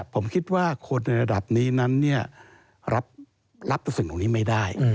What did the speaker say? ผมคิดว่าคนในระดับนี้นั้นรับสิ่งตรงนี้ไม่ได้